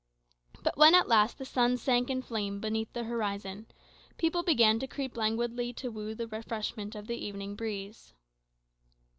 But when at last the sun sank in flame beneath the horizon, people began to creep out languidly to woo the refreshment of the evening breeze.